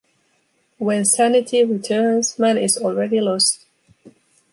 When sanity returns, man is already lost.